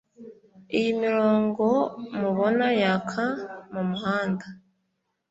Iyi mirongo mubona yaka mu muhanda